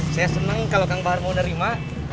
saya senang kalau kang bahar mau nerima